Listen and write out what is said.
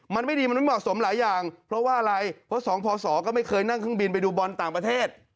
มันไม่ดีมันไม่เหมาะสมหลายอย่างเพราะว่าอะไรเพราะสองพศก็ไม่เคยนั่งเครื่องบินไปดูบอลต่างประเทศ